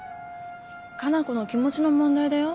加奈子の気持ちの問題だよ？